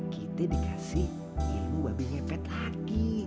kita dikasih ibu babi ngepet lagi